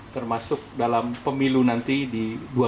termasuk dalam pemilu nanti di dua ribu dua puluh